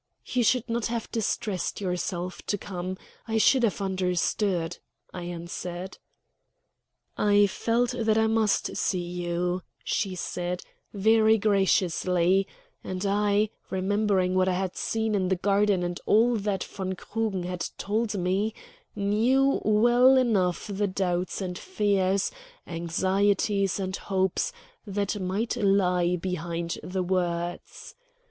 "You should not have distressed yourself to come; I should have understood," I answered. "I felt that I must see you," she said, very graciously; and I, remembering what I had seen in the garden and all that von Krugen had told me, knew well enough the doubts and fears, anxieties and hopes, that might lie behind the words.